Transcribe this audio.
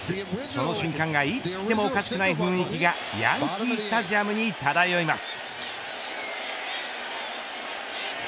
その瞬間がいつきてもおかしくない雰囲気がヤンキースタジアムに漂います。